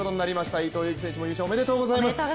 伊藤有希選手も優勝おめでとうございます。